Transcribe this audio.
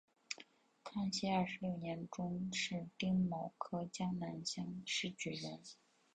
康熙二十六年中式丁卯科江南乡试举人。